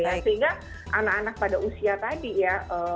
sehingga anak anak pada usia tadi ya